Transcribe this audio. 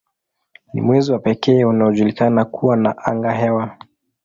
Ni mwezi wa pekee unaojulikana kuwa na angahewa.